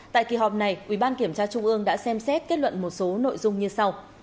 tại kỳ họp này ủy ban kiểm tra trung ương đã xem xét kết luận một số nội dung như sau